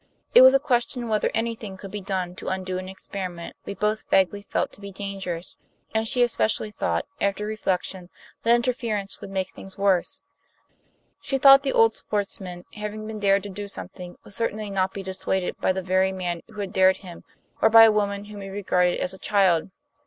It was a question whether anything could be done to undo an experiment we both vaguely felt to be dangerous, and she especially thought, after reflection, that interference would make things worse. She thought the old sportsman, having been dared to do something, would certainly not be dissuaded by the very man who had dared him or by a woman whom he regarded as a child.